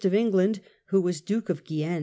of England who was Duke of Guienne.